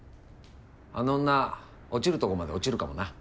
あの女落ちるとこまで落ちるかもな。